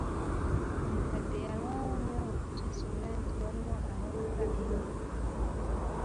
Omukadde yalwawo nnyo okukizuula nti waliwo abba ebintu bye.